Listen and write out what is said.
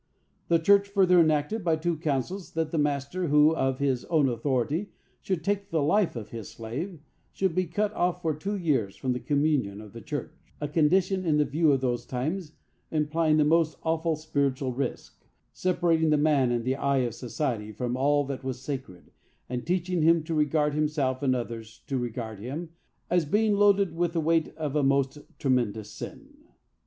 The church further enacted, by two councils, that the master who, of his own authority, should take the life of his slave, should be cut off for two years from the communion of the church,—a condition, in the view of those times, implying the most awful spiritual risk, separating the man in the eye of society from all that was sacred, and teaching him to regard himself, and others to regard him, as a being loaded with the weight of a must tremendous sin.